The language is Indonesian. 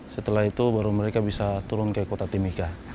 setelah itu baru mereka bisa turun ke kota timika